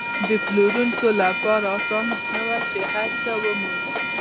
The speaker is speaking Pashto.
د پلورونکو لپاره اسانه نه وه چې هر څه ومومي.